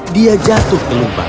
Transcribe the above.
dia jatuh ke lubang